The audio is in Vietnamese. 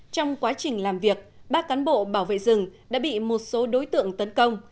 trong quá trình làm việc ba cán bộ bảo vệ rừng đã bị một số đối tượng tấn công